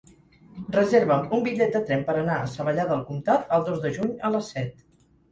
Reserva'm un bitllet de tren per anar a Savallà del Comtat el dos de juny a les set.